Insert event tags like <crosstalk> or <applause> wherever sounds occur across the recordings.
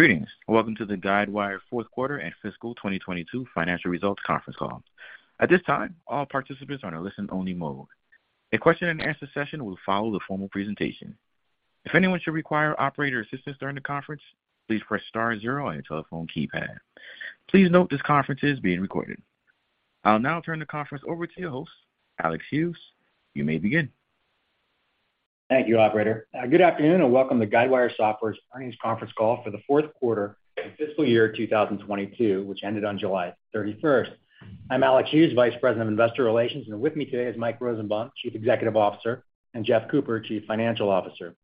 Greetings. Welcome to the Guidewire Fourth Quarter and Fiscal 2022 Financial Results Conference Call. At this time, all participants are in a listen only mode. A question-and-answer session will follow the formal presentation. If anyone should require operator assistance during the conference, please press star zero on your telephone keypad. Please note this conference is being recorded. I'll now turn the conference over to your host, Alex Hughes. You may begin. Thank you, operator. Good afternoon and welcome to Guidewire Software's earnings conference call for the fourth quarter of fiscal year 2022, which ended on July 31st. I'm Alex Hughes, Vice President of Investor Relations, and with me today is Mike Rosenbaum, Chief Executive Officer, and Jeff Cooper, Chief Financial Officer.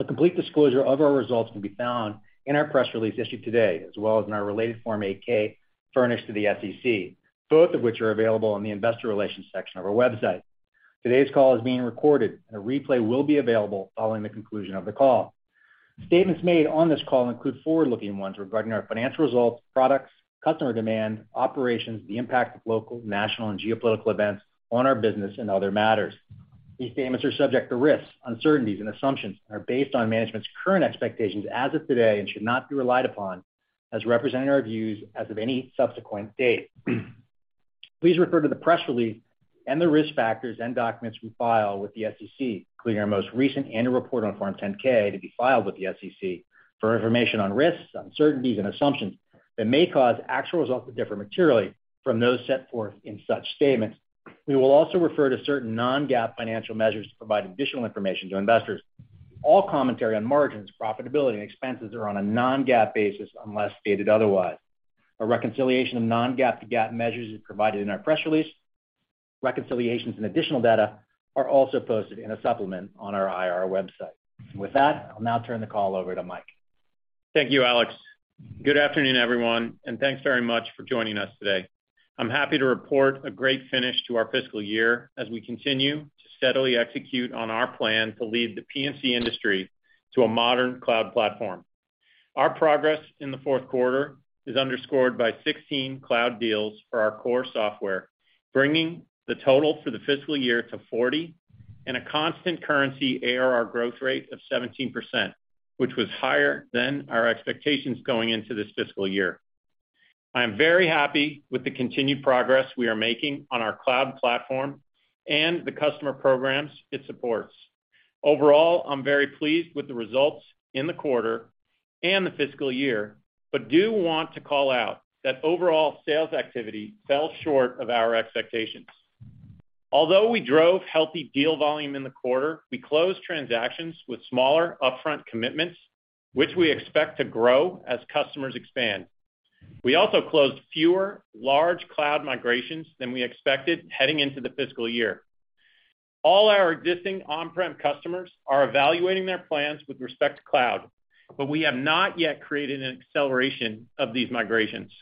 A complete disclosure of our results can be found in our press release issued today, as well as in our related Form 8-K furnished to the SEC, both of which are available on the Investor Relations section of our website. Today's call is being recorded, and a replay will be available following the conclusion of the call. Statements made on this call include forward-looking ones regarding our financial results, products, customer demand, operations, the impact of local, national, and geopolitical events on our business and other matters. These statements are subject to risks, uncertainties, and assumptions and are based on management's current expectations as of today and should not be relied upon as representing our views as of any subsequent date. Please refer to the press release and the risk factors and documents we file with the SEC, including our most recent annual report on Form 10-K to be filed with the SEC for information on risks, uncertainties, and assumptions that may cause actual results to differ materially from those set forth in such statements. We will also refer to certain non-GAAP financial measures to provide additional information to investors. All commentary on margins, profitability, and expenses are on a non-GAAP basis unless stated otherwise. A reconciliation of non-GAAP to GAAP measures is provided in our press release. Reconciliations and additional data are also posted in a supplement on our IR website. With that, I'll now turn the call over to Mike. Thank you, Alex. Good afternoon, everyone, and thanks very much for joining us today. I'm happy to report a great finish to our fiscal year as we continue to steadily execute on our plan to lead the P&C industry to a modern cloud platform. Our progress in the fourth quarter is underscored by 16 cloud deals for our core software, bringing the total for the fiscal year to 40 and a constant currency ARR growth rate of 17%, which was higher than our expectations going into this fiscal year. I am very happy with the continued progress we are making on our cloud platform and the customer programs it supports. Overall, I'm very pleased with the results in the quarter and the fiscal year, but do want to call out that overall sales activity fell short of our expectations. Although we drove healthy deal volume in the quarter, we closed transactions with smaller upfront commitments, which we expect to grow as customers expand. We also closed fewer large cloud migrations than we expected heading into the fiscal year. All our existing on-prem customers are evaluating their plans with respect to cloud, but we have not yet created an acceleration of these migrations.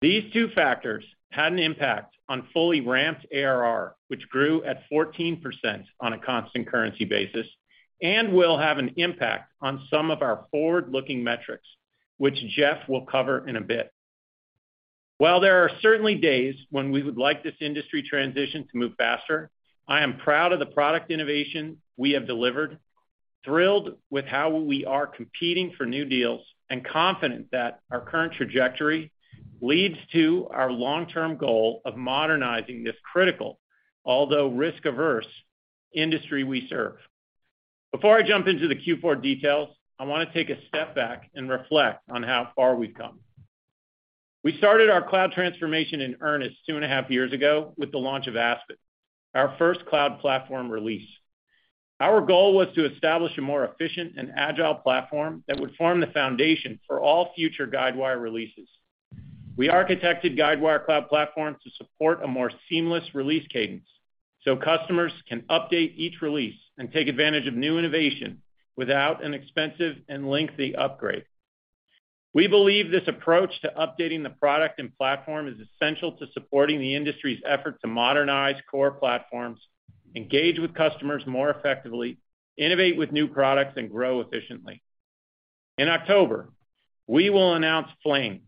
These two factors had an impact on fully ramped ARR, which grew at 14% on a constant currency basis and will have an impact on some of our forward-looking metrics, which Jeff will cover in a bit. While there are certainly days when we would like this industry transition to move faster, I am proud of the product innovation we have delivered, thrilled with how we are competing for new deals, and confident that our current trajectory leads to our long-term goal of modernizing this critical, although risk-averse industry we serve. Before I jump into the Q4 details, I want to take a step back and reflect on how far we've come. We started our cloud transformation in earnest two and a half years ago with the launch of Aspen, our first cloud platform release. Our goal was to establish a more efficient and agile platform that would form the foundation for all future Guidewire releases. We architected Guidewire Cloud Platform to support a more seamless release cadence so customers can update each release and take advantage of new innovation without an expensive and lengthy upgrade. We believe this approach to updating the product and platform is essential to supporting the industry's effort to modernize core platforms, engage with customers more effectively, innovate with new products, and grow efficiently. In October, we will announce Flaine,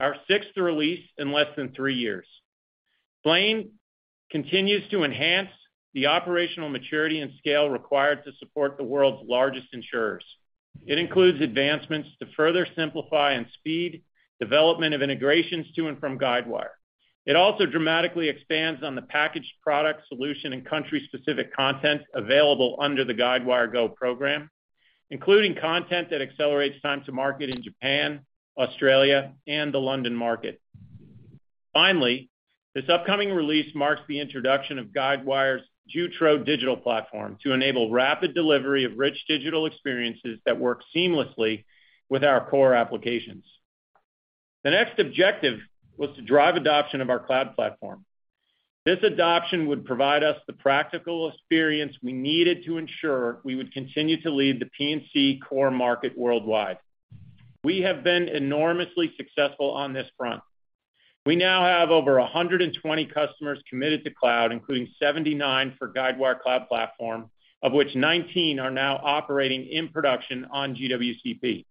our sixth release in less than three years. Flaine continues to enhance the operational maturity and scale required to support the world's largest insurers. It includes advancements to further simplify and speed development of integrations to and from Guidewire. It also dramatically expands on the packaged product solution and country-specific content available under the Guidewire GO program, including content that accelerates time to market in Japan, Australia, and the London market. Finally, this upcoming release marks the introduction of Guidewire's Jutro Digital Platform to enable rapid delivery of rich digital experiences that work seamlessly with our core applications. The next objective was to drive adoption of our Cloud Platform. This adoption would provide us the practical experience we needed to ensure we would continue to lead the P&C core market worldwide. We have been enormously successful on this front. We now have over 120 customers committed to cloud, including 79 for Guidewire Cloud Platform, of which 19 are now operating in production on GWCP.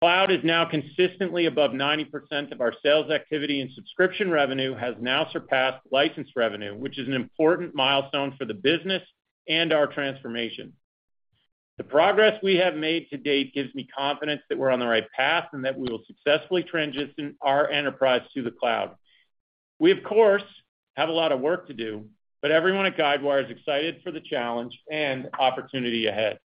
Cloud is now consistently above 90% of our sales activity, and subscription revenue has now surpassed license revenue, which is an important milestone for the business. Our transformation. The progress we have made to date gives me confidence that we're on the right path, and that we will successfully transition our enterprise to the cloud. We, of course, have a lot of work to do, but everyone at Guidewire is excited for the challenge and opportunity ahead.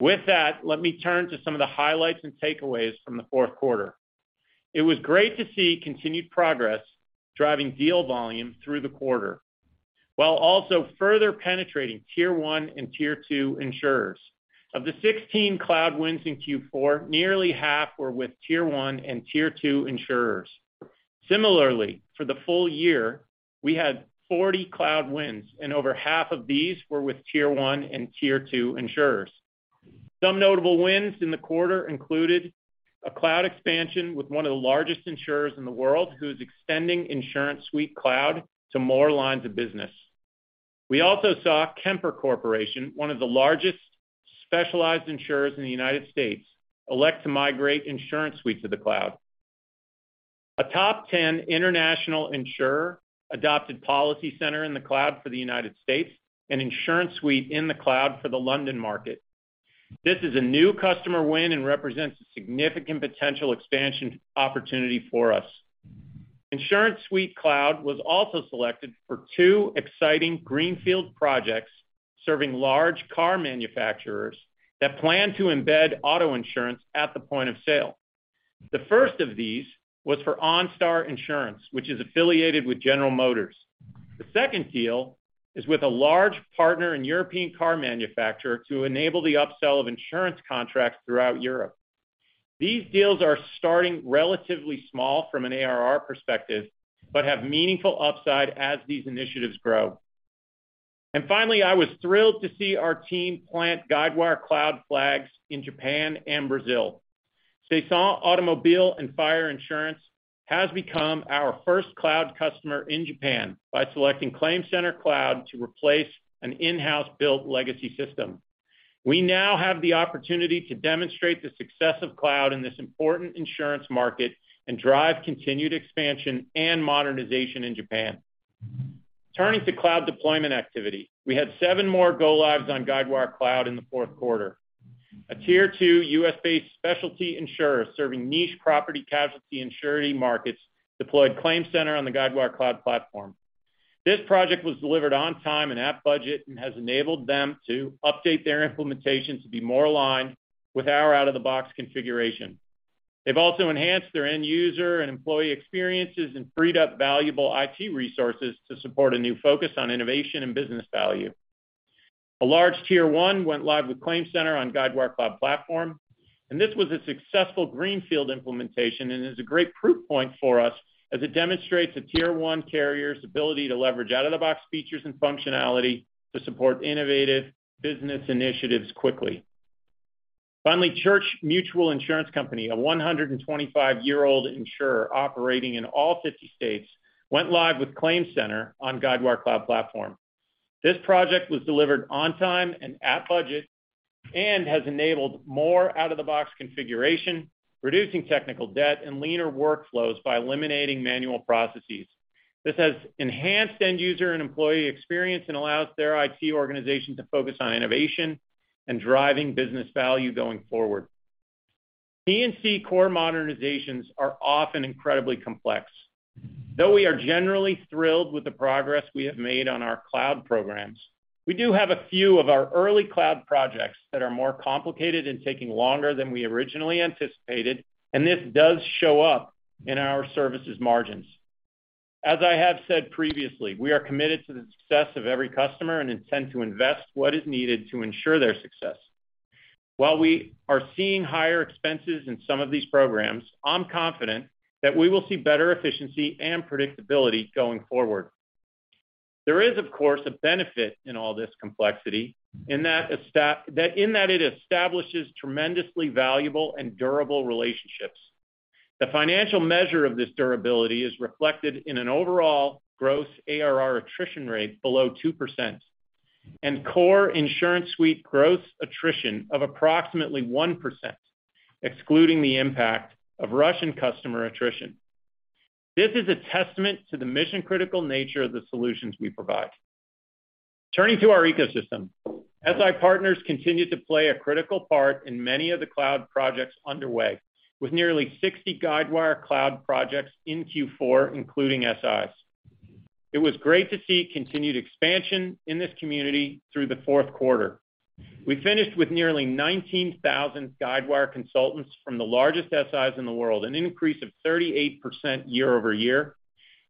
With that, let me turn to some of the highlights and takeaways from the fourth quarter. It was great to see continued progress driving deal volume through the quarter, while also further penetrating tier one and tier two insurers. Of the 16 cloud wins in Q4, nearly half were with tier one and tier two insurers. Similarly, for the full year, we had 40 cloud wins, and over half of these were with tier one and tier two insurers. Some notable wins in the quarter included a cloud expansion with one of the largest insurers in the world, who's extending InsuranceSuite Cloud to more lines of business. We also saw Kemper Corporation, one of the largest specialized insurers in the United States, elect to migrate InsuranceSuite to the cloud. A top ten international insurer adopted PolicyCenter in the cloud for the United States and InsuranceSuite in the cloud for the London market. This is a new customer win and represents a significant potential expansion opportunity for us. InsuranceSuite Cloud was also selected for two exciting greenfield projects serving large car manufacturers that plan to embed auto insurance at the point of sale. The first of these was for OnStar Insurance, which is affiliated with General Motors. The second deal is with a large partner and European car manufacturer to enable the upsell of insurance contracts throughout Europe. These deals are starting relatively small from an ARR perspective, but have meaningful upside as these initiatives grow. Finally, I was thrilled to see our team plant Guidewire Cloud flags in Japan and Brazil. SAISON Automobile and Fire Insurance has become our first cloud customer in Japan by selecting ClaimCenter Cloud to replace an in-house built legacy system. We now have the opportunity to demonstrate the success of cloud in this important insurance market and drive continued expansion and modernization in Japan. Turning to cloud deployment activity, we had seven more go lives on Guidewire Cloud in the fourth quarter. A Tier 2 U.S.-based specialty insurer serving niche property and casualty and surety markets deployed ClaimCenter on the Guidewire Cloud Platform. This project was delivered on time and at budget and has enabled them to update their implementations to be more aligned with our out-of-the-box configuration. They've also enhanced their end user and employee experiences and freed up valuable IT resources to support a new focus on innovation and business value. A large tier one went live with ClaimCenter on Guidewire Cloud Platform, and this was a successful greenfield implementation and is a great proof point for us as it demonstrates a tier one carrier's ability to leverage out-of-the-box features and functionality to support innovative business initiatives quickly. Finally, Church Mutual Insurance Company, a 125-year-old insurer operating in all 50 states, went live with ClaimCenter on Guidewire Cloud Platform. This project was delivered on time and at budget and has enabled more out-of-the-box configuration, reducing technical debt and leaner workflows by eliminating manual processes. This has enhanced end user and employee experience and allows their IT organization to focus on innovation and driving business value going forward. P&C core modernizations are often incredibly complex. Though we are generally thrilled with the progress we have made on our cloud programs, we do have a few of our early cloud projects that are more complicated and taking longer than we originally anticipated, and this does show up in our services margins. As I have said previously, we are committed to the success of every customer and intend to invest what is needed to ensure their success. While we are seeing higher expenses in some of these programs, I'm confident that we will see better efficiency and predictability going forward. There is, of course, a benefit in all this complexity in that it establishes tremendously valuable and durable relationships. The financial measure of this durability is reflected in an overall gross ARR attrition rate below 2% and core InsuranceSuite gross attrition of approximately 1%, excluding the impact of Russian customer attrition. This is a testament to the mission-critical nature of the solutions we provide. Turning to our ecosystem. SI partners continue to play a critical part in many of the cloud projects underway with nearly 60 Guidewire Cloud projects in Q4, including SIs. It was great to see continued expansion in this community through the fourth quarter. We finished with nearly 19,000 Guidewire consultants from the largest SIs in the world, an increase of 38% year-over-year.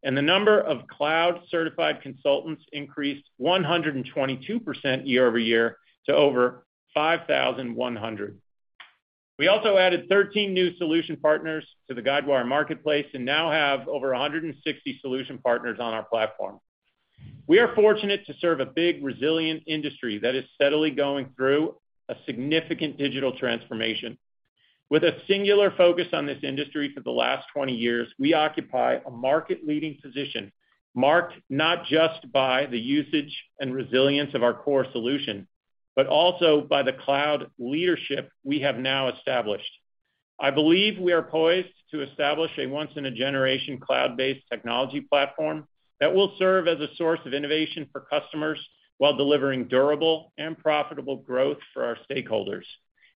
The number of cloud-certified consultants increased 122% year-over-year to over 5,100. We also added 13 new solution partners to the Guidewire Marketplace and now have over 160 solution partners on our platform. We are fortunate to serve a big, resilient industry that is steadily going through a significant digital transformation. With a singular focus on this industry for the last 20 years, we occupy a market-leading position marked not just by the usage and resilience of our core solution, but also by the cloud leadership we have now established. I believe we are poised to establish a once in a generation cloud-based technology platform that will serve as a source of innovation for customers while delivering durable and profitable growth for our stakeholders.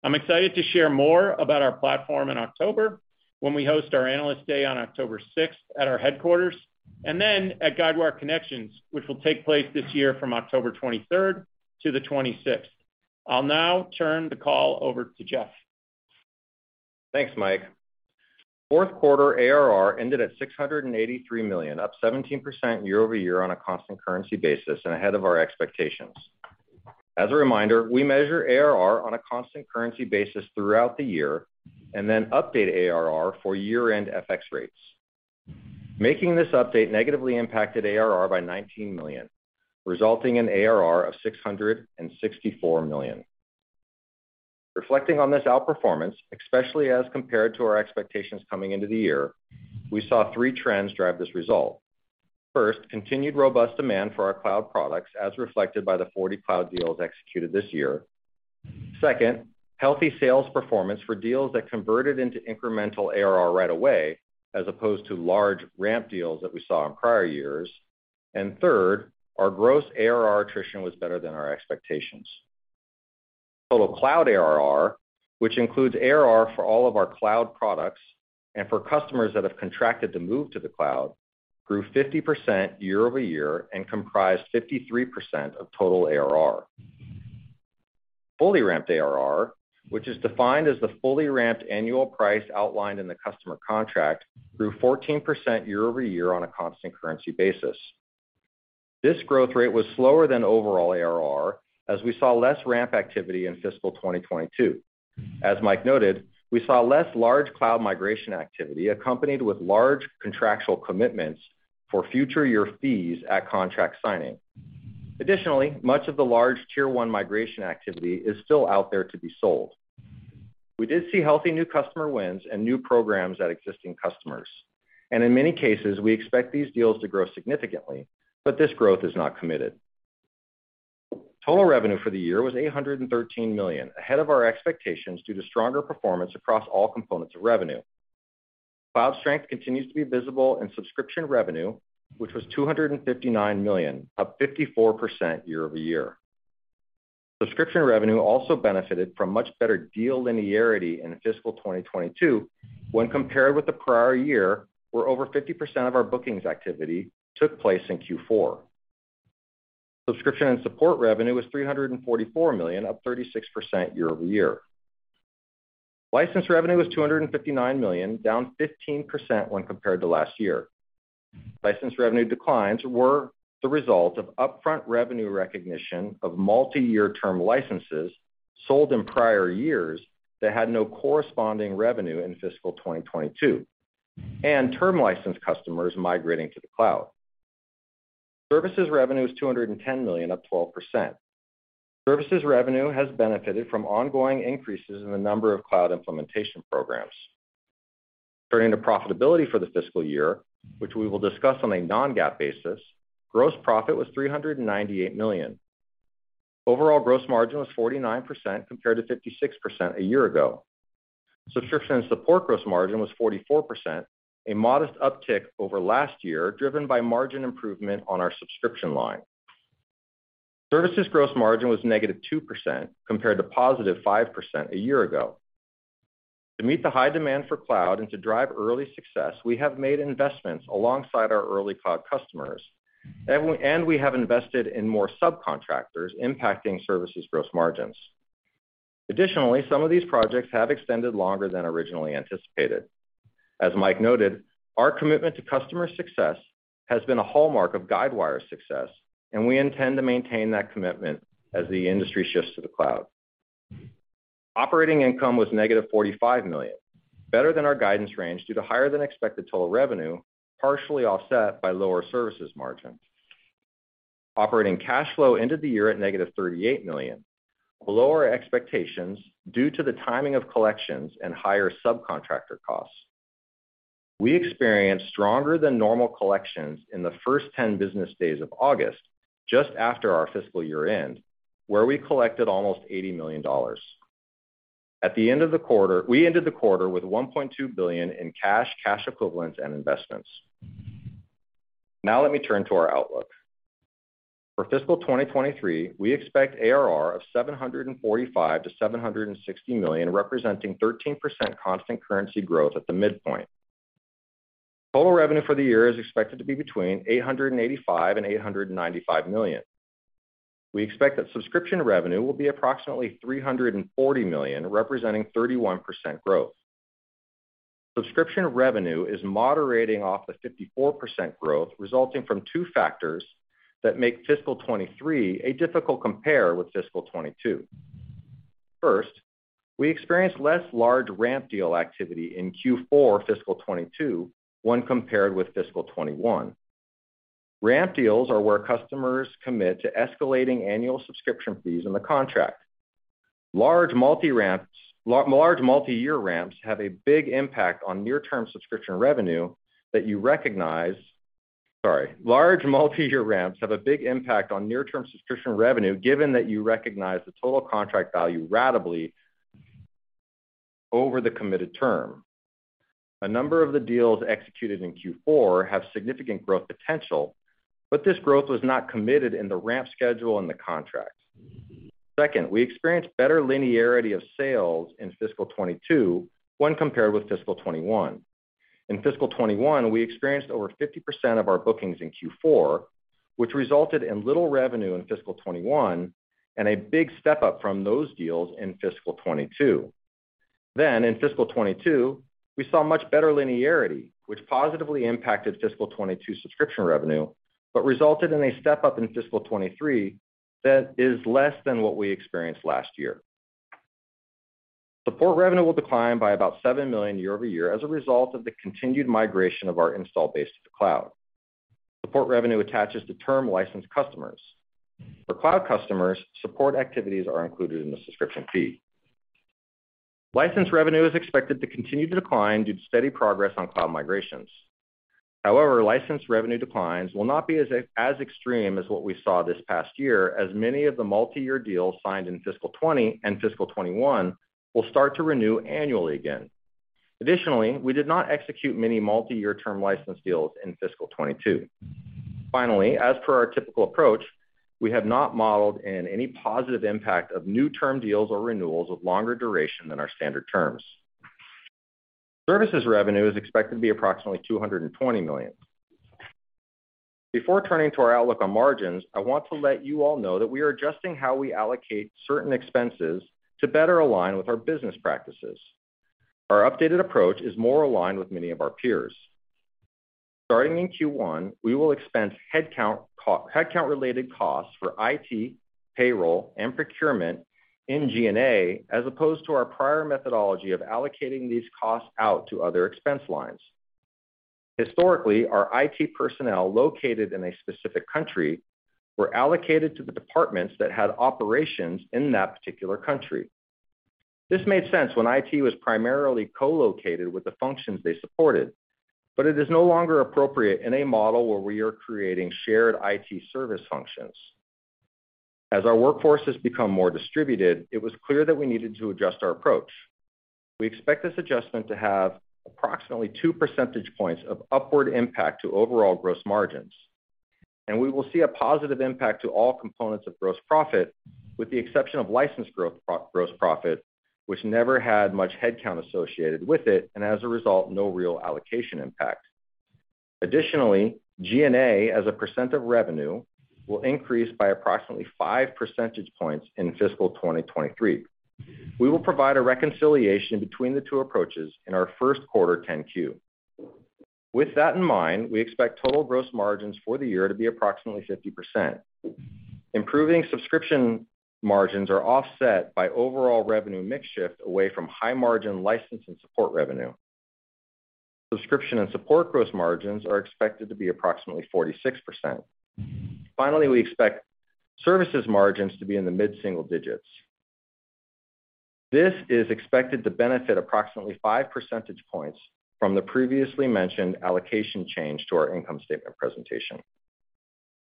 I'm excited to share more about our platform in October when we host our Analyst Day on October 6th at our headquarters, and then at Guidewire Connections, which will take place this year from October 23rd to the 26th. I'll now turn the call over to Jeff. Thanks, Mike. Fourth quarter ARR ended at $683 million, up 17% year-over-year on a constant currency basis and ahead of our expectations. As a reminder, we measure ARR on a constant currency basis throughout the year and then update ARR for year-end FX rates. Making this update negatively impacted ARR by $19 million, resulting in ARR of $664 million. Reflecting on this outperformance, especially as compared to our expectations coming into the year, we saw three trends drive this result. First, continued robust demand for our cloud products, as reflected by the 40 cloud deals executed this year. Second, healthy sales performance for deals that converted into incremental ARR right away as opposed to large ramp deals that we saw in prior years. Third, our gross ARR attrition was better than our expectations. Total cloud ARR, which includes ARR for all of our cloud products and for customers that have contracted to move to the cloud, grew 50% year-over-year and comprised 53% of total ARR. Fully ramped ARR, which is defined as the fully ramped annual price outlined in the customer contract, grew 14% year-over-year on a constant currency basis. This growth rate was slower than overall ARR as we saw less ramp activity in fiscal 2022. As Mike noted, we saw less large cloud migration activity accompanied with large contractual commitments for future year fees at contract signing. Additionally, much of the large tier one migration activity is still out there to be sold. We did see healthy new customer wins and new programs at existing customers, and in many cases, we expect these deals to grow significantly, but this growth is not committed. Total revenue for the year was $813 million, ahead of our expectations due to stronger performance across all components of revenue. Cloud strength continues to be visible in subscription revenue, which was $259 million, up 54% year-over-year. Subscription revenue also benefited from much better deal linearity in fiscal 2022 when compared with the prior year, where over 50% of our bookings activity took place in Q4. Subscription and support revenue was $344 million, up 36% year-over-year. License revenue was $259 million, down 15% when compared to last year. License revenue declines were the result of upfront revenue recognition of multiyear term licenses sold in prior years that had no corresponding revenue in fiscal 2022, and term license customers migrating to the cloud. Services revenue is $210 million, up 12%. Services revenue has benefited from ongoing increases in the number of cloud implementation programs. Turning to profitability for the fiscal year, which we will discuss on a non-GAAP basis, gross profit was $398 million. Overall gross margin was 49% compared to 56% a year ago. Subscription and support gross margin was 44%, a modest uptick over last year, driven by margin improvement on our subscription line. Services gross margin was -2% compared to +5% a year ago. To meet the high demand for cloud and to drive early success, we have made investments alongside our early cloud customers, and we have invested in more subcontractors impacting services gross margins. Additionally, some of these projects have extended longer than originally anticipated. As Mike noted, our commitment to customer success has been a hallmark of Guidewire's success, and we intend to maintain that commitment as the industry shifts to the cloud. Operating income was -$45 million, better than our guidance range due to higher than expected total revenue, partially offset by lower services margin. Operating cash flow ended the year at -$38 million, below our expectations due to the timing of collections and higher subcontractor costs. We experienced stronger than normal collections in the first 10 business days of August, just after our fiscal year-end, where we collected almost $80 million. At the end of the quarter, we ended the quarter with $1.2 billion in cash equivalents, and investments. Now let me turn to our outlook. For fiscal 2023, we expect ARR of $745 million-$760 million, representing 13% constant currency growth at the midpoint. Total revenue for the year is expected to be between $885 million and $895 million. We expect that subscription revenue will be approximately $340 million, representing 31% growth. Subscription revenue is moderating off the 54% growth, resulting from two factors that make fiscal 2023 a difficult compare with fiscal 2022. First, we experienced less large ramp deal activity in Q4 fiscal 2022 when compared with fiscal 2021. Ramp deals are where customers commit to escalating annual subscription fees in the contract. Sorry, large multi-year ramps have a big impact on near-term subscription revenue, given that you recognize the total contract value ratably over the committed term. A number of the deals executed in Q4 have significant growth potential, but this growth was not committed in the ramp schedule in the contracts. Second, we experienced better linearity of sales in fiscal 2022 when compared with fiscal 2021. In fiscal 2021, we experienced over 50% of our bookings in Q4, which resulted in little revenue in fiscal 2021 and a big step-up from those deals in fiscal 2022. In fiscal 2022, we saw much better linearity, which positively impacted fiscal 2022 subscription revenue, but resulted in a step-up in fiscal 2023 that is less than what we experienced last year. Support revenue will decline by about $7 million year-over-year as a result of the continued migration of our install base to the cloud. Support revenue attaches to term licensed customers. For cloud customers, support activities are included in the subscription fee. License revenue is expected to continue to decline due to steady progress on cloud migrations. However, license revenue declines will not be as extreme as what we saw this past year, as many of the multi-year deals signed in fiscal 2020 and fiscal 2021 will start to renew annually again. Additionally, we did not execute many multi-year term license deals in fiscal 2022. Finally, as per our typical approach, we have not modeled in any positive impact of new term deals or renewals of longer duration than our standard terms. Services revenue is expected to be approximately $220 million. Before turning to our outlook on margins, I want to let you all know that we are adjusting how we allocate certain expenses to better align with our business practices. Our updated approach is more aligned with many of our peers. Starting in Q1, we will expense headcount-related costs for IT, payroll, and procurement in G&A, as opposed to our prior methodology of allocating these costs out to other expense lines. Historically, our IT personnel located in a specific country were allocated to the departments that had operations in that particular country. This made sense when IT was primarily co-located with the functions they supported, but it is no longer appropriate in a model where we are creating shared IT service functions. As our workforce has become more distributed, it was clear that we needed to adjust our approach. We expect this adjustment to have approximately two percentage points of upward impact to overall gross margins, and we will see a positive impact to all components of gross profit, with the exception of licensed growth gross profit, which never had much headcount associated with it, and as a result, no real allocation impact. Additionally, G&A, as a percent of revenue, will increase by approximately five percentage points in fiscal 2023. We will provide a reconciliation between the two approaches in our first quarter 10-Q. With that in mind, we expect total gross margins for the year to be approximately 50%. Improving subscription margins are offset by overall revenue mix shift away from high-margin license and support revenue. Subscription and support gross margins are expected to be approximately 46%. Finally, we expect services margins to be in the mid-single digits. This is expected to benefit approximately five percentage points from the previously mentioned allocation change to our income statement presentation.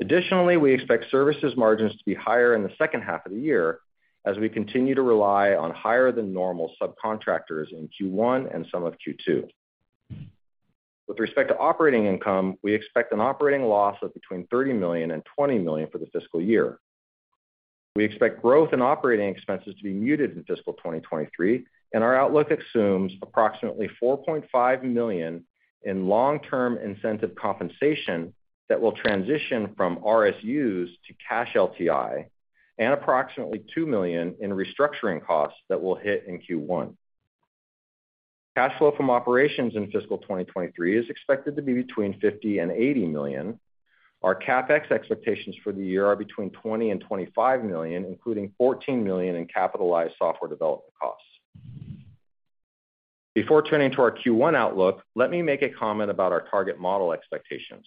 Additionally, we expect services margins to be higher in the second half of the year as we continue to rely on higher than normal subcontractors in Q1 and some of Q2. With respect to operating income, we expect an operating loss of between $30 million and $20 million for the fiscal year. We expect growth in operating expenses to be muted in fiscal 2023, and our outlook assumes approximately $4.5 million in long-term incentive compensation that will transition from RSUs to cash LTI, and approximately $2 million in restructuring costs that will hit in Q1. Cash flow from operations in fiscal 2023 is expected to be between $50 million and $80 million. Our CapEx expectations for the year are between $20 million and $25 million, including $14 million in capitalized software development costs. Before turning to our Q1 outlook, let me make a comment about our target model expectations.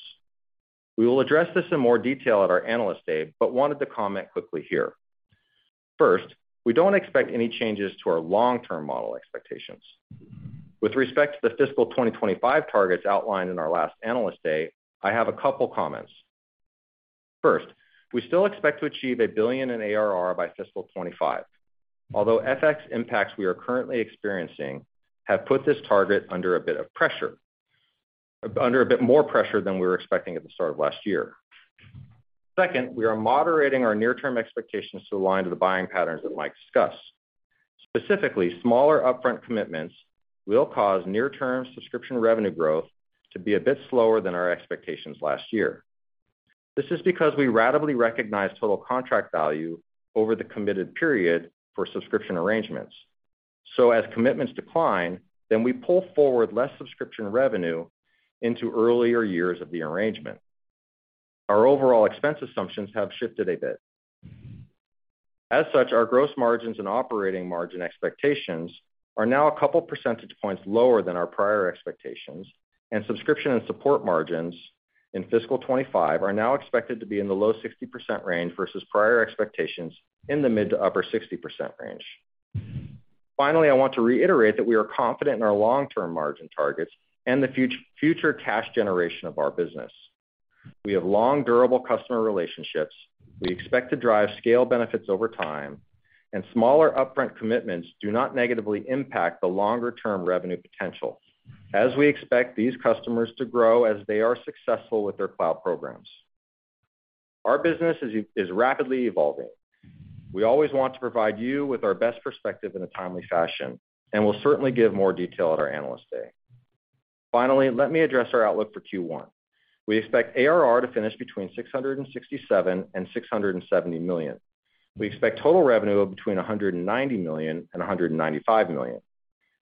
We will address this in more detail at our Analyst Day, but wanted to comment quickly here. First, we don't expect any changes to our long-term model expectations. With respect to the fiscal 2025 targets outlined in our last Analyst Day, I have a couple comments. First, we still expect to achieve $1 billion in ARR by fiscal 2025, although FX impacts we are currently experiencing have put this target under a bit more pressure than we were expecting at the start of last year. Second, we are moderating our near-term expectations to align to the buying patterns that Mike discussed. Specifically, smaller upfront commitments will cause near-term subscription revenue growth to be a bit slower than our expectations last year. This is because we ratably recognize total contract value over the committed period for subscription arrangements. As commitments decline, then we pull forward less subscription revenue into earlier years of the arrangement. Our overall expense assumptions have shifted a bit. As such, our gross margins and operating margin expectations are now a couple percentage points lower than our prior expectations, and subscription and support margins in fiscal 2025 are now expected to be in the low 60% range versus prior expectations in the mid- to upper 60% range. Finally, I want to reiterate that we are confident in our long-term margin targets and the future cash generation of our business. We have long durable customer relationships. We expect to drive scale benefits over time, and smaller upfront commitments do not negatively impact the longer term revenue potential as we expect these customers to grow as they are successful with their cloud programs. Our business is rapidly evolving. We always want to provide you with our best perspective in a timely fashion, and we'll certainly give more detail at our Analyst Day. Finally, let me address our outlook for Q1. We expect ARR to finish between $667 million and $670 million. We expect total revenue of between $190 million and $195 million.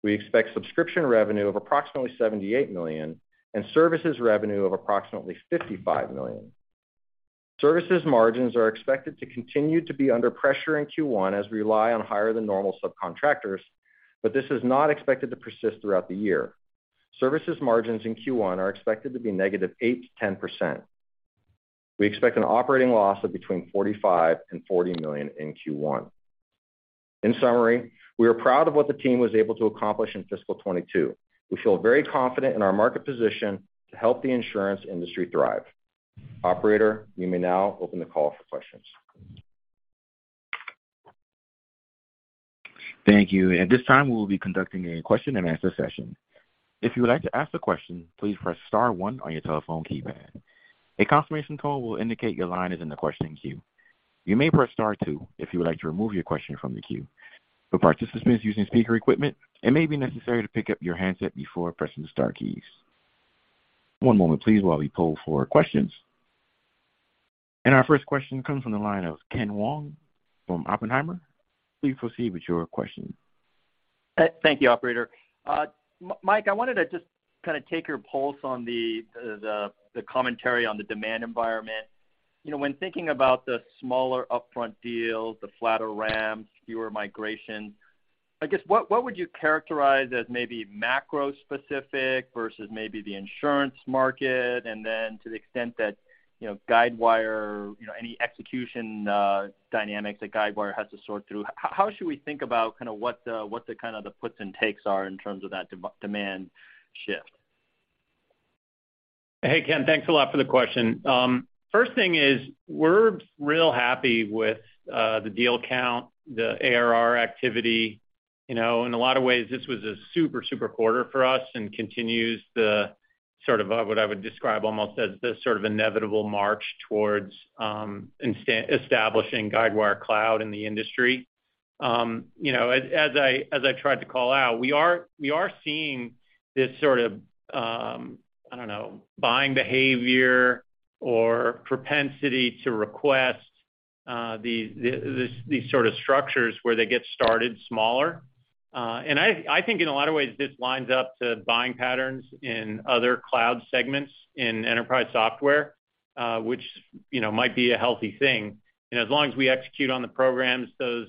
We expect subscription revenue of approximately $78 million and services revenue of approximately $55 million. Services margins are expected to continue to be under pressure in Q1 as we rely on higher than normal subcontractors, but this is not expected to persist throughout the year. Services margins in Q1 are expected to be -8% to -10%. We expect an operating loss of between $45 million and $50 million in Q1. In summary, we are proud of what the team was able to accomplish in fiscal 2022. We feel very confident in our market position to help the insurance industry thrive. Operator, you may now open the call for questions. Thank you. At this time, we'll be conducting a question-and-answer session. If you would like to ask a question, please press star one on your telephone keypad. A confirmation tone will indicate your line is in the question queue. You may press star two if you would like to remove your question from the queue. For participants using speaker equipment, it may be necessary to pick up your handset before pressing the star keys. One moment please while we poll for questions. Our first question comes from the line of Ken Wong from Oppenheimer. Please proceed with your question. Thank you, operator. Mike, I wanted to just kind of take your pulse on the commentary on the demand environment. You know, when thinking about the smaller upfront deals, the flatter ramps, fewer migration, I guess, what would you characterize as maybe macro specific versus maybe the insurance market, and then to the extent that, you know, Guidewire, you know, any execution dynamics that Guidewire has to sort through, how should we think about kind of what the puts and takes are in terms of that demand shift? Hey, Ken. Thanks a lot for the question. First thing is we're real happy with the deal count, the ARR activity. You know, in a lot of ways, this was a super quarter for us and continues the sort of what I would describe almost as the sort of inevitable march towards instantly establishing Guidewire Cloud in the industry. You know, as I tried to call out, we are seeing this sort of I don't know, buying behavior or propensity to request these sort of structures where they get started smaller. I think in a lot of ways this lines up to buying patterns in other cloud segments in enterprise software, which you know, might be a healthy thing. As long as we execute on the programs, you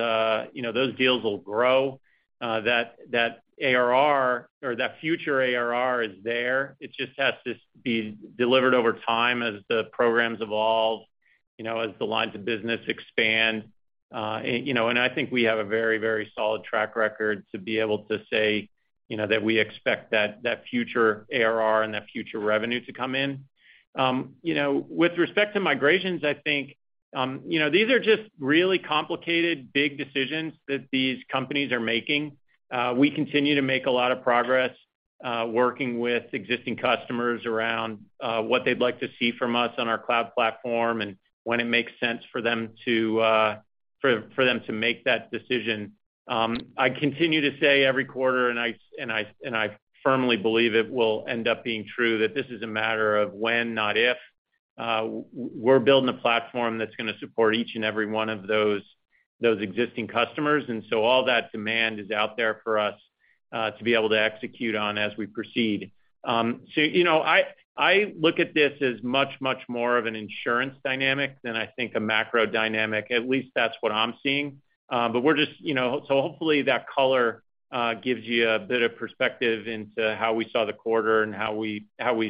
know, those deals will grow. ARR or that future ARR is there. It just has to be delivered over time as the programs evolve, you know, as the lines of business expand. I think we have a very solid track record to be able to say, you know, that we expect that future ARR and that future revenue to come in. You know, with respect to migrations, I think, you know, these are just really complicated, big decisions that these companies are making. We continue to make a lot of progress working with existing customers around what they'd like to see from us on our cloud platform and when it makes sense for them to for them to make that decision. I continue to say every quarter, and I firmly believe it will end up being true that this is a matter of when, not if. We're building a platform that's gonna support each and every one of those existing customers. So all that demand is out there for us to be able to execute on as we proceed. So, you know, I look at this as much more of an insurance dynamic than I think a macro dynamic. At least that's what I'm seeing. But we're just, you know. Hopefully, that color gives you a bit of perspective into how we saw the quarter and how we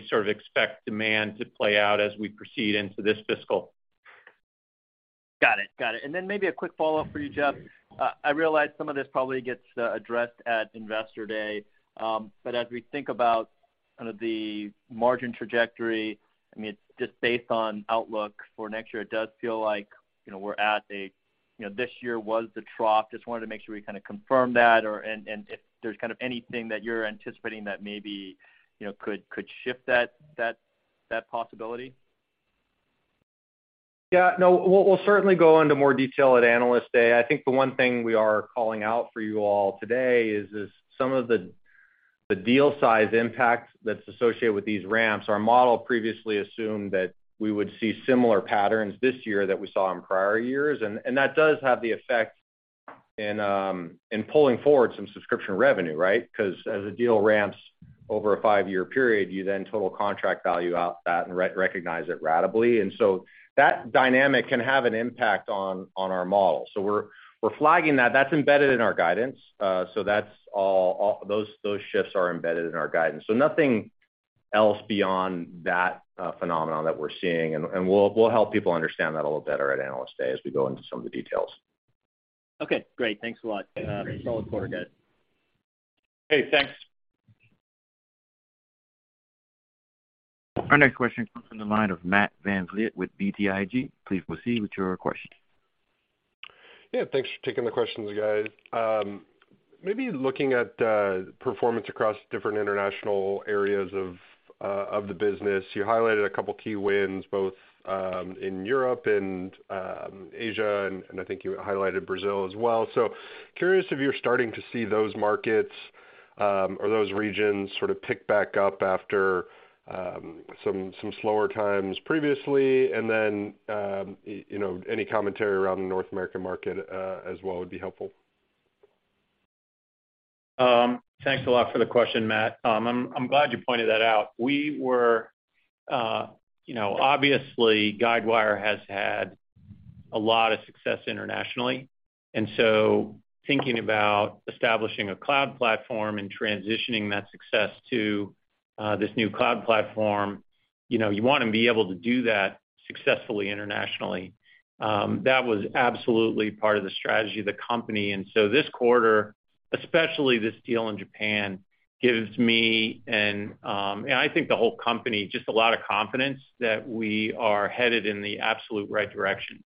sort of expect demand to play out as we proceed into this fiscal. Got it. Got it. Then maybe a quick follow-up for you, Jeff. I realize some of this probably gets addressed at Analyst Day. As we think about kind of the margin trajectory, I mean, just based on outlook for next year, it does feel like, you know, we're at a, you know, this year was the trough. Just wanted to make sure we kinda confirmed that and if there's kind of anything that you're anticipating that maybe, you know, could shift that possibility. Yeah. No. We'll certainly go into more detail at Analyst Day. I think the one thing we are calling out for you all today is some of the deal size impact that's associated with these ramps. Our model previously assumed that we would see similar patterns this year that we saw in prior years. That does have the effect in pulling forward some subscription revenue, right? 'Cause as a deal ramps over a five-year period, you then total contract value out that and re-recognize it ratably. That dynamic can have an impact on our model. We're flagging that. That's embedded in our guidance. That's all. Those shifts are embedded in our guidance. Nothing else beyond that phenomenon that we're seeing, and we'll help people understand that a little better at Analyst Day as we go into some of the details. Okay, great. Thanks a lot. Solid quarter, guys. Okay, thanks. Our next question comes from the line of Matt VanVliet with BTIG. Please proceed with your question. Yeah, thanks for taking the questions, guys. Maybe looking at performance across different international areas of the business. You highlighted a couple of key wins, both in Europe and Asia, and I think you highlighted Brazil as well. So curious if you're starting to see those markets or those regions sort of pick back up after some slower times previously. Then, you know, any commentary around the North American market as well would be helpful. Thanks a lot for the question, Matt. I'm glad you pointed that out. You know, obviously, Guidewire has had a lot of success internationally. Thinking about establishing a cloud platform and transitioning that success to this new cloud platform, you know, you wanna be able to do that successfully internationally. That was absolutely part of the strategy of the company. This quarter, especially this deal in Japan, gives me and I think the whole company just a lot of confidence that we are headed in the absolute right direction.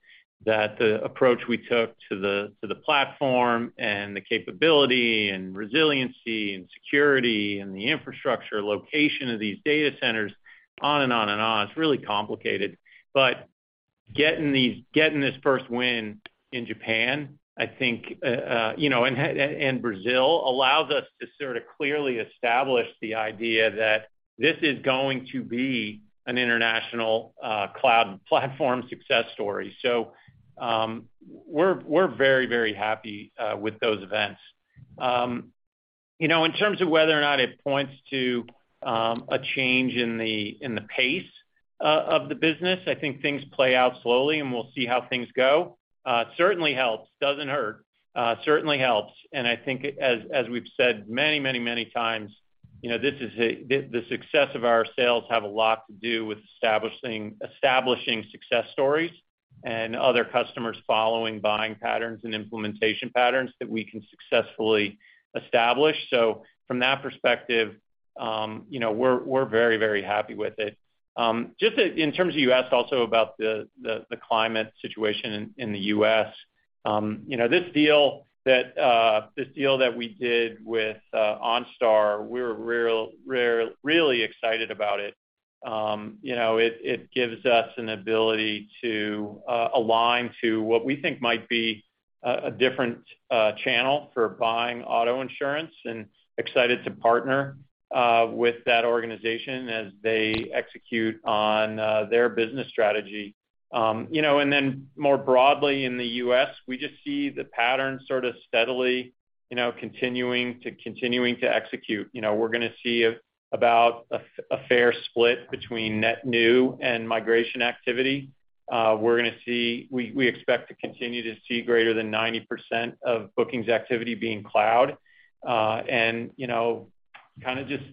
The approach we took to the platform and the capability and resiliency and security and the infrastructure location of these data centers on and on and on, it's really complicated. Getting this first win in Japan, I think, you know, and Brazil allows us to sort of clearly establish the idea that this is going to be an international cloud platform success story. We're very happy with those events. You know, in terms of whether or not it points to a change in the pace of the business, I think things play out slowly, and we'll see how things go. It certainly helps. Doesn't hurt, certainly helps. I think as we've said many times, you know, this is the success of our sales have a lot to do with establishing success stories and other customers following buying patterns and implementation patterns that we can successfully establish. From that perspective, you know, we're very happy with it. Just in terms of you asked also about the climate situation in the U.S. You know, this deal that we did with OnStar, we're really excited about it. You know, it gives us an ability to align to what we think might be a different channel for buying auto insurance and excited to partner with that organization as they execute on their business strategy. Then more broadly in the U.S., we just see the pattern sort of steadily, you know, continuing to execute. You know, we're gonna see a fair split between net new and migration activity. We expect to continue to see greater than 90% of bookings activity being cloud. You know, kinda just.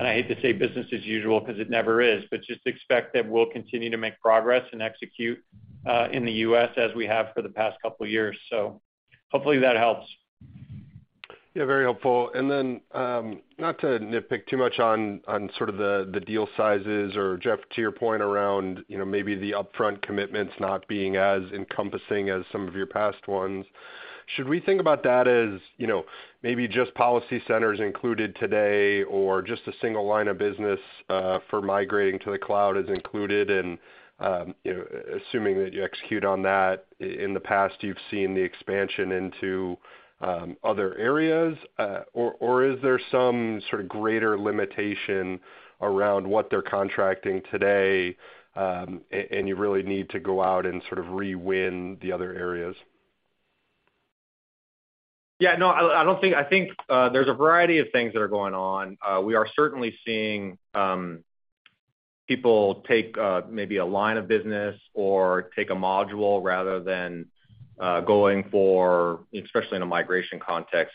I hate to say business as usual 'cause it never is, but just expect that we'll continue to make progress and execute in the U.S. as we have for the past couple of years. Hopefully that helps. Yeah, very helpful. Not to nitpick too much on sort of the deal sizes or Jeff, to your point around, you know, maybe the upfront commitments not being as encompassing as some of your past ones. Should we think about that as, you know, maybe just PolicyCenter included today or just a single line of business for migrating to the cloud is included and, you know, assuming that you execute on that in the past, you've seen the expansion into other areas or is there some sort of greater limitation around what they're contracting today and you really need to go out and sort of re-win the other areas? Yeah, no. I think there's a variety of things that are going on. We are certainly seeing people take maybe a line of business or take a module rather than going for, especially in a migration context,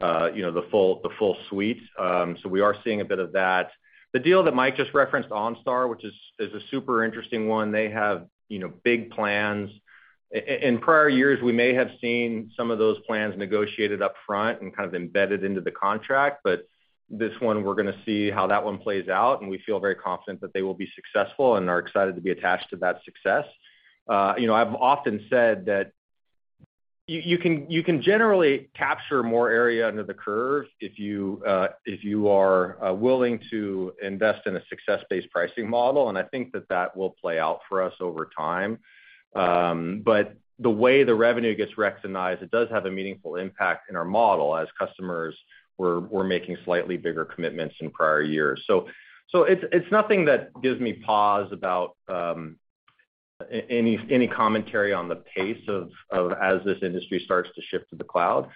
you know, the full suite. So we are seeing a bit of that. The deal that Mike just referenced, OnStar, which is a super interesting one. They have, you know, big plans. In prior years, we may have seen some of those plans negotiated up front and kind of embedded into the contract, but this one, we're gonna see how that one plays out, and we feel very confident that they will be successful and are excited to be attached to that success. You know, I've often said that you can generally capture more area under the curve if you are willing to invest in a success-based pricing model, and I think that will play out for us over time. The way the revenue gets recognized, it does have a meaningful impact in our model as customers were making slightly bigger commitments in prior years. It's nothing that gives me pause about any commentary on the pace as this industry starts to shift to the cloud.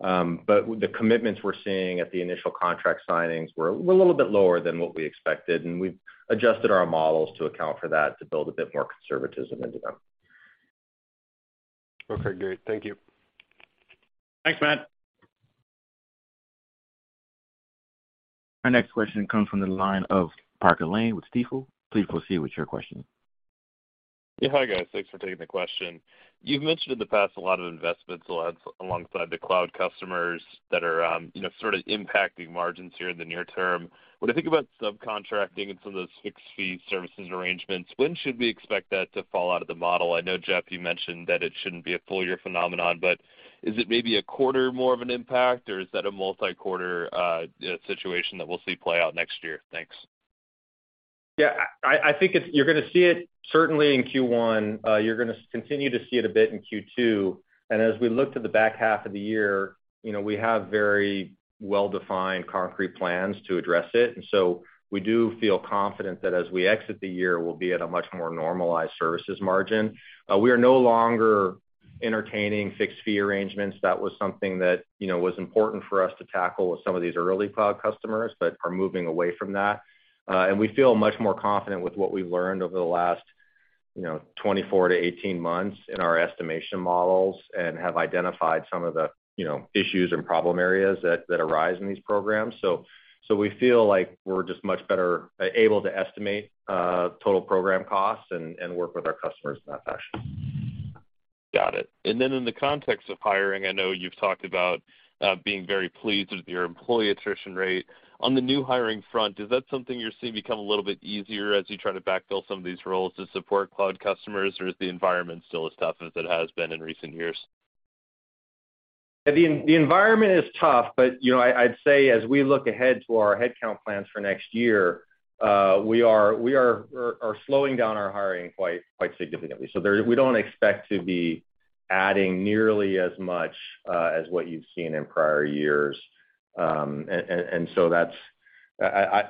The commitments we're seeing at the initial contract signings were a little bit lower than what we expected, and we've adjusted our models to account for that to build a bit more conservatism into them. Okay, great. Thank you. Thanks, Matt. Our next question comes from the line of Parker Lane with Stifel. Please proceed with your question. Yeah. Hi, guys. Thanks for taking the question. You've mentioned in the past a lot of investments alongside the cloud customers that are, you know, sort of impacting margins here in the near term. When I think about subcontracting and some of those fixed fee services arrangements, when should we expect that to fall out of the model? I know, Jeff, you mentioned that it shouldn't be a full year phenomenon, but is it maybe a quarter more of an impact or is that a multi-quarter, situation that we'll see play out next year? Thanks. Yeah. I think it's you're gonna see it certainly in Q1. You're gonna continue to see it a bit in Q2. As we look to the back half of the year, you know, we have very well-defined concrete plans to address it. We do feel confident that as we exit the year, we'll be at a much more normalized services margin. We are no longer entertaining fixed fee arrangements. That was something that, you know, was important for us to tackle with some of these early cloud customers but are moving away from that. We feel much more confident with what we've learned over the last, you know, 24-18 months in our estimation models and have identified some of the, you know, issues and problem areas that arise in these programs. We feel like we're just much better able to estimate total program costs and work with our customers in that fashion. Got it. In the context of hiring, I know you've talked about being very pleased with your employee attrition rate. On the new hiring front, is that something you're seeing become a little bit easier as you try to backfill some of these roles to support cloud customers, or is the environment still as tough as it has been in recent years? The environment is tough, but you know, I'd say as we look ahead to our headcount plans for next year, we are slowing down our hiring quite significantly. There, we don't expect to be adding nearly as much as what you've seen in prior years. That's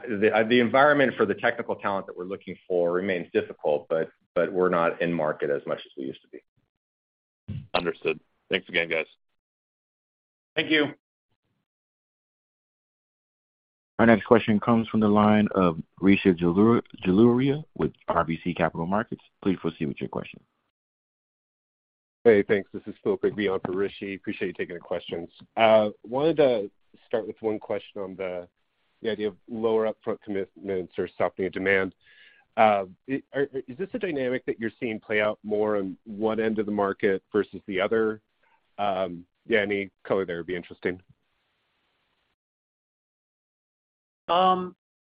the environment for the technical talent that we're looking for remains difficult, but we're not in market as much as we used to be. Understood. Thanks again, guys. Thank you. Our next question comes from the line of Rishi Jaluria with RBC Capital Markets. Please proceed with your question. Hey, thanks. This is <audio distortion> on for Rishi. Appreciate you taking the questions. Wanted to start with one question on the idea of lower upfront commitments or softening demand. Is this a dynamic that you're seeing play out more on one end of the market versus the other? Yeah, any color there would be interesting.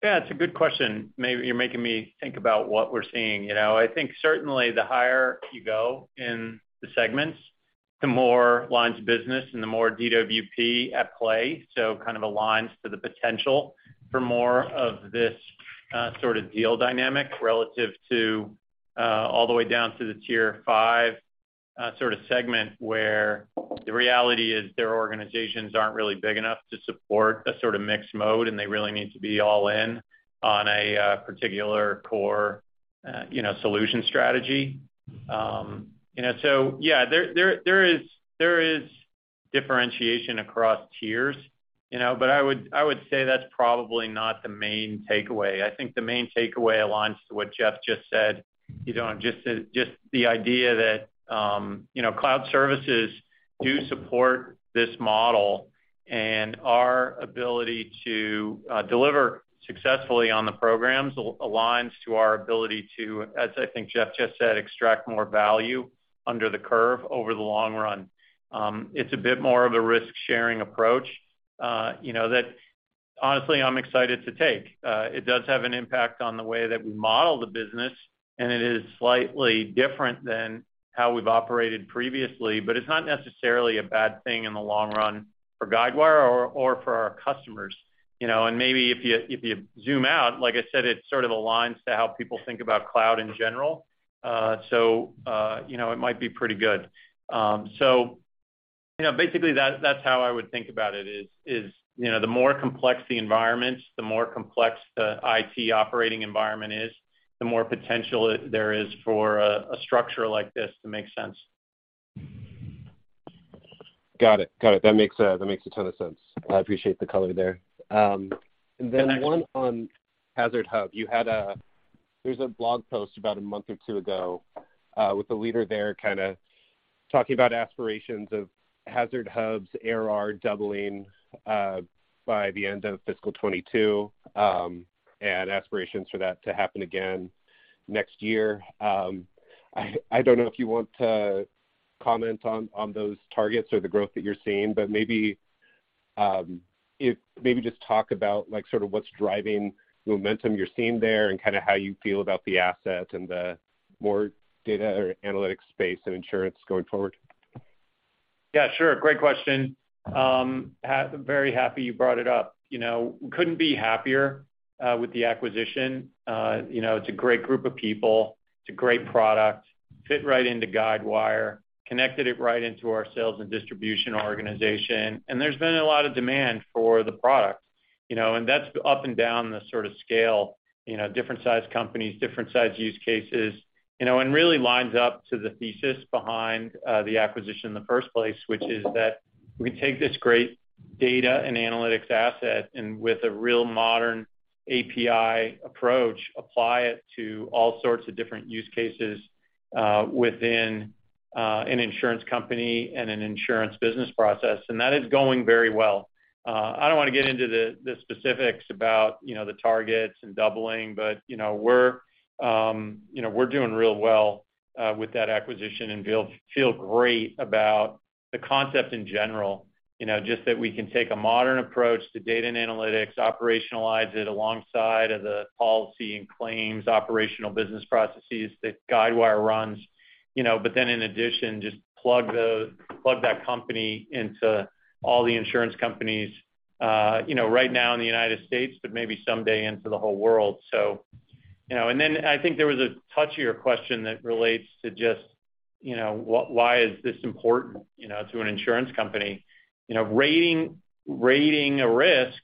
Yeah, it's a good question. You're making me think about what we're seeing. You know, I think certainly the higher you go in the segments, the more lines of business and the more DWP at play, so kind of aligns to the potential for more of this sort of deal dynamic relative to all the way down to the tier five sort of segment where the reality is their organizations aren't really big enough to support a sort of mixed mode, and they really need to be all in on a particular core you know, solution strategy. You know, so yeah, there is differentiation across tiers, you know, but I would say that's probably not the main takeaway. I think the main takeaway aligns to what Jeff just said, you know, and just the idea that, you know, cloud services do support this model and our ability to deliver successfully on the programs aligns to our ability to, as I think Jeff just said, extract more value under the curve over the long run. It's a bit more of a risk-sharing approach, you know, that honestly I'm excited to take. It does have an impact on the way that we model the business, and it is slightly different than how we've operated previously, but it's not necessarily a bad thing in the long run for Guidewire or for our customers, you know. Maybe if you zoom out, like I said, it sort of aligns to how people think about cloud in general. You know, it might be pretty good. You know, basically that's how I would think about it is, you know, the more complex the environments, the more complex the IT operating environment is, the more potential there is for a structure like this to make sense. Got it. That makes a ton of sense. I appreciate the color there. One on HazardHub. There's a blog post about a month or two ago, with the leader there kinda talking about aspirations of HazardHub's ARR doubling, by the end of fiscal 2022, and aspirations for that to happen again next year. I don't know if you want to comment on those targets or the growth that you're seeing, but maybe just talk about like, sort of what's driving momentum you're seeing there and kinda how you feel about the asset and the more data or analytics space in insurance going forward. Yeah, sure. Great question. Very happy you brought it up. You know, couldn't be happier with the acquisition. You know, it's a great group of people. It's a great product. Fit right into Guidewire, connected it right into our sales and distribution organization. There's been a lot of demand for the product, you know, and that's up and down the sort of scale, you know, different size companies, different size use cases, you know, and really lines up to the thesis behind the acquisition in the first place, which is that we take this great data and analytics asset and with a real modern API approach, apply it to all sorts of different use cases within an insurance company and an insurance business process, and that is going very well. I don't wanna get into the specifics about, you know, the targets and doubling, but, you know, we're doing real well with that acquisition and feel great about the concept in general, you know, just that we can take a modern approach to data and analytics, operationalize it alongside of the policy and claims operational business processes that Guidewire runs, you know. In addition, just plug that company into all the insurance companies, you know, right now in the United States, but maybe someday into the whole world. I think there was a touchier question that relates to just, you know, why is this important, you know, to an insurance company. You know, rating a risk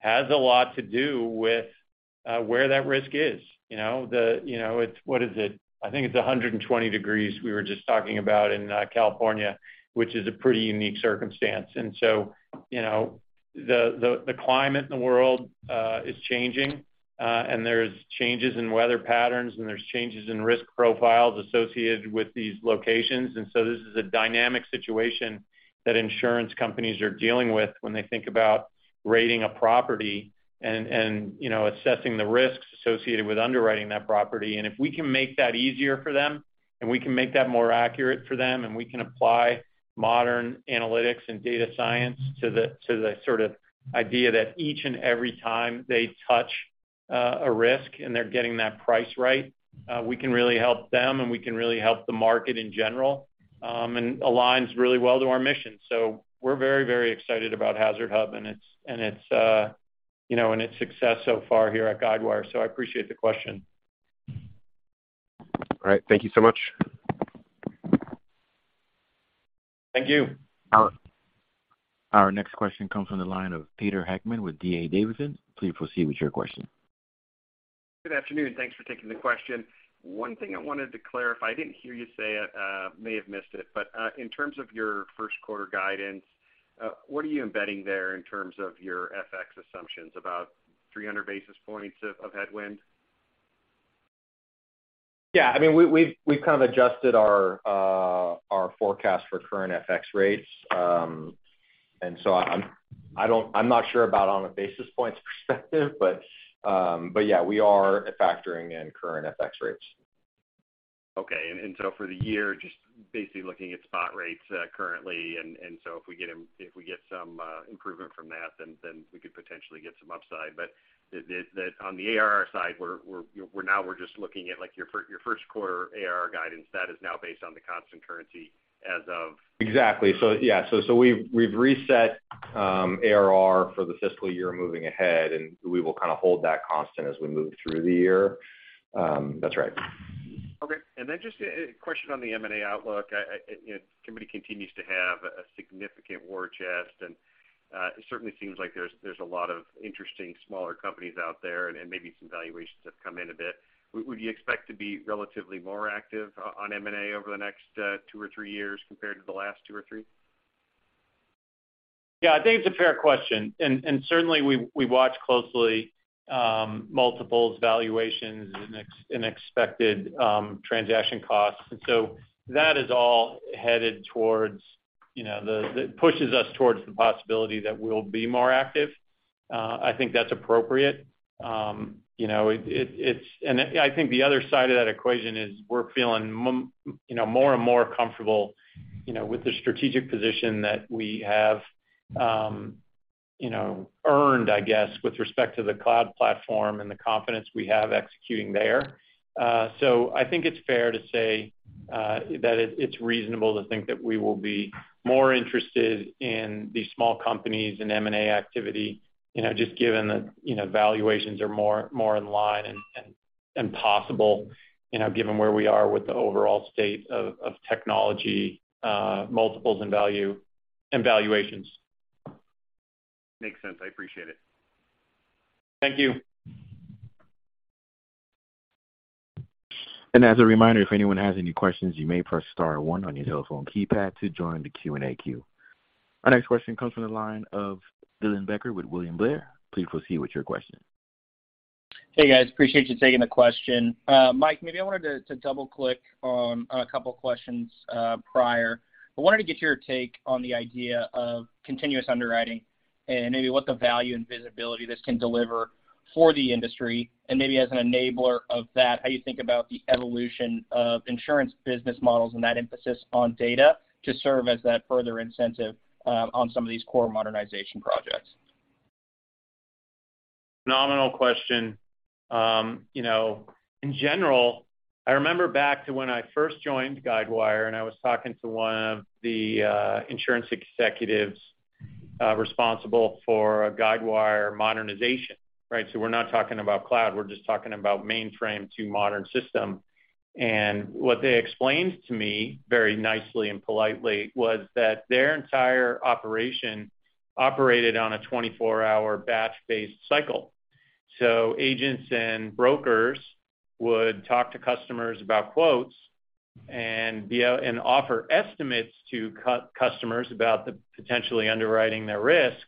has a lot to do with where that risk is, you know. You know, what is it? I think it's 120 degrees we were just talking about in California, which is a pretty unique circumstance. You know, the climate in the world is changing, and there's changes in weather patterns and there's changes in risk profiles associated with these locations. This is a dynamic situation that insurance companies are dealing with when they think about rating a property and, you know, assessing the risks associated with underwriting that property. If we can make that easier for them, and we can make that more accurate for them, and we can apply modern analytics and data science to the sort of idea that each and every time they touch a risk and they're getting that price right, we can really help them and we can really help the market in general, and aligns really well to our mission. We're very, very excited about HazardHub and its, you know, success so far here at Guidewire. I appreciate the question. All right. Thank you so much. Thank you. Our next question comes from the line of Peter Heckmann with D.A. Davidson. Please proceed with your question. Good afternoon. Thanks for taking the question. One thing I wanted to clarify, I didn't hear you say it, may have missed it, but in terms of your first quarter guidance, what are you embedding there in terms of your FX assumptions? About 300 basis points of headwind? Yeah. I mean, we've kind of adjusted our forecast for current FX rates. I'm not sure about a basis points perspective, but yeah, we are factoring in current FX rates. Okay. For the year, just basically looking at spot rates currently, if we get some improvement from that, then we could potentially get some upside. On the ARR side, you know, now we're just looking at like your first quarter ARR guidance that is now based on the constant currency as of- Exactly. Yeah. We've reset ARR for the fiscal year moving ahead, and we will kind of hold that constant as we move through the year. That's right. Okay. Then just a question on the M&A outlook. You know, company continues to have a significant war chest, and it certainly seems like there's a lot of interesting smaller companies out there and maybe some valuations have come in a bit. Would you expect to be relatively more active on M&A over the next two or three years compared to the last two or three? Yeah, I think it's a fair question. Certainly we watch closely multiples, valuations and expected transaction costs. That is all headed towards, you know, that pushes us towards the possibility that we'll be more active. I think that's appropriate. You know, I think the other side of that equation is we're feeling you know, more and more comfortable, you know, with the strategic position that we have, you know, earned, I guess, with respect to the cloud platform and the confidence we have executing there. I think it's fair to say that it's reasonable to think that we will be more interested in these small companies and M&A activity, you know, just given that, you know, valuations are more in line and possible, you know, given where we are with the overall state of technology multiples and value and valuations. Makes sense. I appreciate it. Thank you. As a reminder, if anyone has any questions, you may press star one on your telephone keypad to join the Q&A queue. Our next question comes from the line of Dylan Becker with William Blair. Please proceed with your question. Hey, guys, appreciate you taking the question. Mike, maybe I wanted to double-click on a couple of questions prior. I wanted to get your take on the idea of continuous underwriting and maybe what the value and visibility this can deliver for the industry. Maybe as an enabler of that, how you think about the evolution of insurance business models and that emphasis on data to serve as that further incentive on some of these core modernization projects. Phenomenal question. You know, in general, I remember back to when I first joined Guidewire, and I was talking to one of the insurance executives responsible for Guidewire modernization, right? We're not talking about cloud, we're just talking about mainframe to modern system. What they explained to me very nicely and politely was that their entire operation operated on a 24-hour batch-based cycle. Agents and brokers would talk to customers about quotes and offer estimates to customers about the potentially underwriting their risk,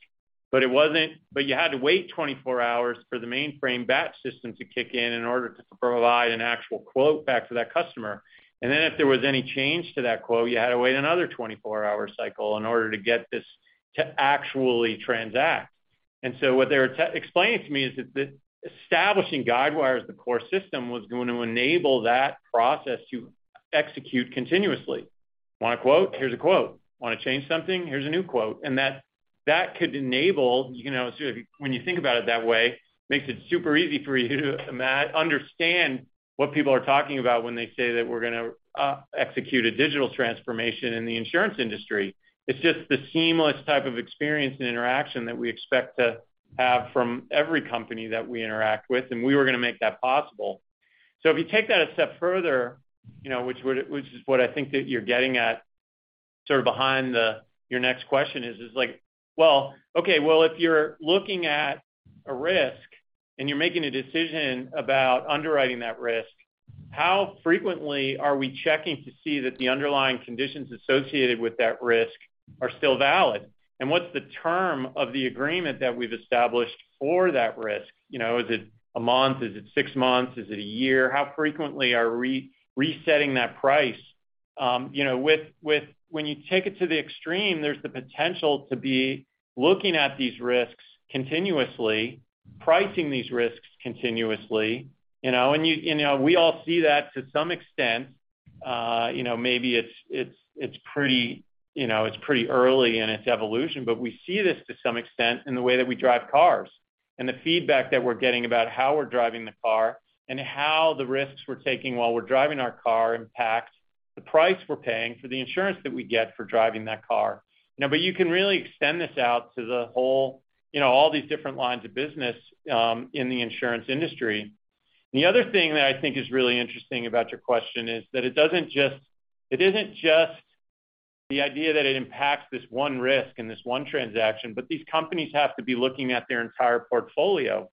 but you had to wait 24 hours for the mainframe batch system to kick in in order to provide an actual quote back to that customer. Then if there was any change to that quote, you had to wait another 24-hour cycle in order to get this to actually transact. What they were explaining to me is that establishing Guidewire as the core system was going to enable that process to execute continuously. Want a quote? Here's a quote. Wanna change something? Here's a new quote. And that could enable, you know, when you think about it that way, makes it super easy for you to understand what people are talking about when they say that we're gonna execute a digital transformation in the insurance industry. It's just the seamless type of experience and interaction that we expect to have from every company that we interact with, and we were gonna make that possible. If you take that a step further, you know, which is what I think that you're getting at sort of behind the, your next question is like, well, okay, if you're looking at a risk and you're making a decision about underwriting that risk, how frequently are we checking to see that the underlying conditions associated with that risk are still valid? And what's the term of the agreement that we've established for that risk? You know, is it a month? Is it six months? Is it a year? How frequently are we resetting that price? You know, with when you take it to the extreme, there's the potential to be looking at these risks continuously, pricing these risks continuously, you know. You know, we all see that to some extent, you know, maybe it's pretty, you know, it's pretty early in its evolution, but we see this to some extent in the way that we drive cars. The feedback that we're getting about how we're driving the car and how the risks we're taking while we're driving our car impacts the price we're paying for the insurance that we get for driving that car. You can really extend this out to the whole, you know, all these different lines of business in the insurance industry. The other thing that I think is really interesting about your question is that it doesn't just, it isn't just the idea that it impacts this one risk and this one transaction, but these companies have to be looking at their entire portfolio.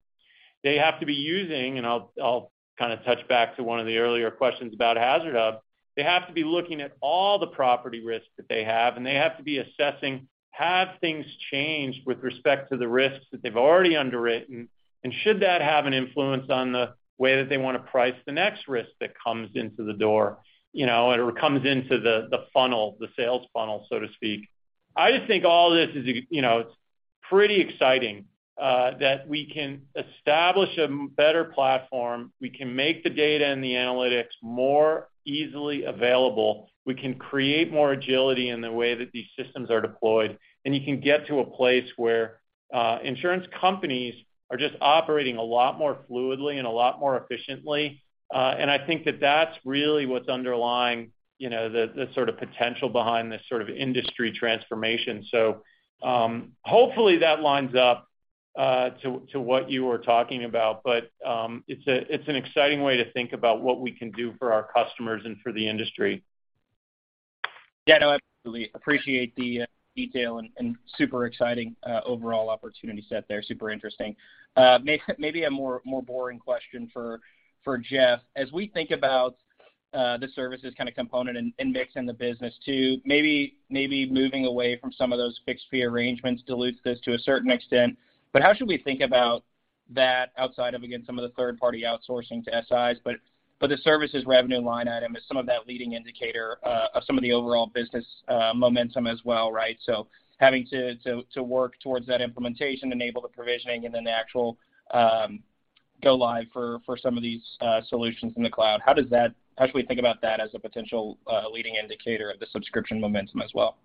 They have to be using, and I'll kind of touch back to one of the earlier questions about HazardHub. They have to be looking at all the property risks that they have, and they have to be assessing have things changed with respect to the risks that they've already underwritten, and should that have an influence on the way that they wanna price the next risk that comes into the door, you know, or comes into the funnel, the sales funnel, so to speak. I just think all this is, you know, it's pretty exciting that we can establish a better platform. We can make the data and the analytics more easily available. We can create more agility in the way that these systems are deployed, and you can get to a place where insurance companies are just operating a lot more fluidly and a lot more efficiently. I think that that's really what's underlying, you know, the sort of potential behind this sort of industry transformation. Hopefully, that lines up to what you were talking about. It's an exciting way to think about what we can do for our customers and for the industry. Yeah, no, I really appreciate the detail and super exciting overall opportunity set there. Super interesting. Maybe a more boring question for Jeff. As we think about the services kinda component and mix in the business too, maybe moving away from some of those fixed fee arrangements dilutes this to a certain extent. But how should we think about that outside of, again, some of the third-party outsourcing to SIs, but the services revenue line item is some of that leading indicator of some of the overall business momentum as well, right? Having to work towards that implementation, enable the provisioning and then the actual go live for some of these solutions in the cloud, how does that, how should we think about that as a potential leading indicator of the subscription momentum as well?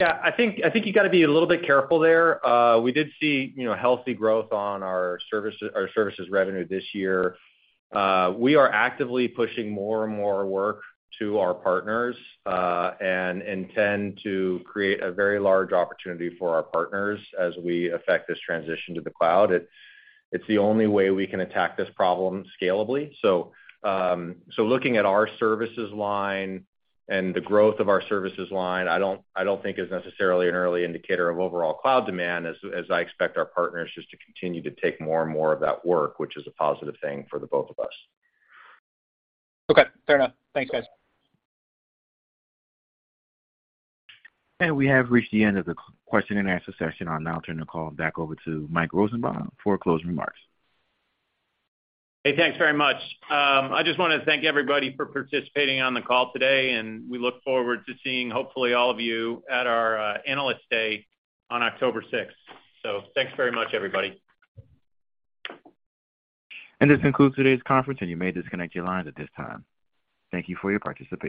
Yeah. I think you gotta be a little bit careful there. We did see healthy growth on our services revenue this year. We are actively pushing more and more work to our partners and intend to create a very large opportunity for our partners as we affect this transition to the cloud. It's the only way we can attack this problem scalably. Looking at our services line and the growth of our services line, I don't think is necessarily an early indicator of overall cloud demand as I expect our partners just to continue to take more and more of that work, which is a positive thing for both of us. Okay. Fair enough. Thanks, guys. We have reached the end of the question-and-answer session. I'll now turn the call back over to Mike Rosenbaum for closing remarks. Hey, thanks very much. I just wanna thank everybody for participating on the call today, and we look forward to seeing hopefully all of you at our Analyst Day on October 6th. Thanks very much, everybody. This concludes today's conference, and you may disconnect your lines at this time. Thank you for your participation.